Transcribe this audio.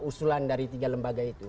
usulan dari tiga lembaga itu